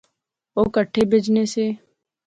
او کہٹھے بہجنے سے